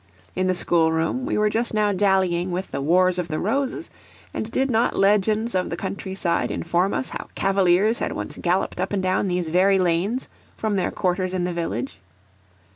In the schoolroom we were just now dallying with the Wars of the Roses; and did not legends of the country side inform us how Cavaliers had once galloped up and down these very lanes from their quarters in the village?